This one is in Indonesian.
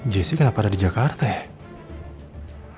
jessi kenapa ada di jakarta ya